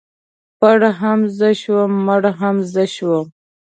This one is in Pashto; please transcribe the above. ـ پړ هم زه شوم مړ هم زه شوم.